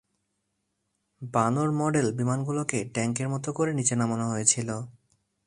বানর-মডেল বিমানগুলোকে ট্যাংকের মতো করে নিচে নামানো হয়েছিল।